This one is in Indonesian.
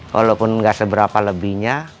walaupun nggak seberapa lebihnya